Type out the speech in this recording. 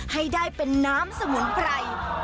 ให้ได้เป็นน้ำสมุนไพร